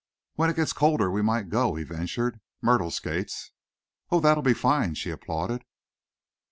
"When it gets colder we might go," he ventured. "Myrtle skates." "Oh, that'll be fine!" she applauded.